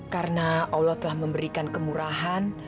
karena allah telah memberikan kemurahan